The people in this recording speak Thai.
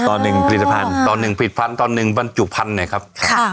ต่อหนึ่งผลิตภัณฑ์ต่อหนึ่งผลิตภัณฑ์ต่อหนึ่งบรรจุพันธุ์หน่อยครับ